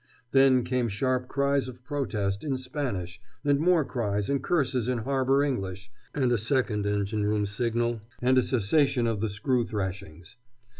Then came sharp cries of protest, in Spanish, and more cries and curses in harbor English, and a second engine room signal and a cessation of the screw thrashings.